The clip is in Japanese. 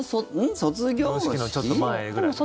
卒業式のちょっと前ぐらいですね。